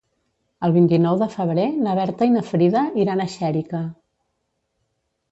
El vint-i-nou de febrer na Berta i na Frida iran a Xèrica.